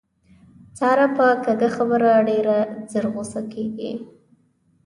ساره په کږه خبره ډېره زر غوسه کېږي.